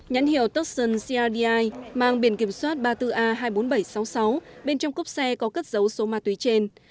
nhãn hiệu toston crdi mang biển kiểm soát ba mươi bốn a hai mươi bốn nghìn bảy trăm sáu mươi sáu bên trong cốp xe có cất dấu số ma túy trên